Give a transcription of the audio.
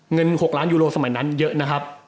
เงิน๖ล้านยูโรสมัยนั้นเยอะนะครับ